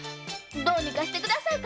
どうにかして下さい。